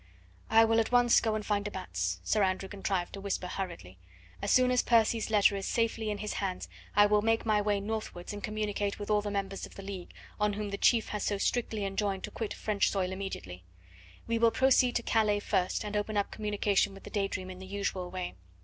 "I will at once go and find de Batz," Sir Andrew contrived to whisper hurriedly. "As soon as Percy's letter is safely in his hands I will make my way northwards and communicate with all the members of the League, on whom the chief has so strictly enjoined to quit French soil immediately. We will proceed to Calais first and open up communication with the Day Dream in the usual way.